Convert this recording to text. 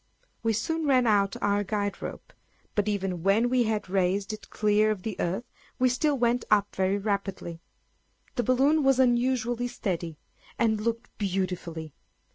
We soon ran out our guide rope; but even when we had raised it clear of the earth, we still went up very rapidly. The balloon was unusually steady, and looked beautifully.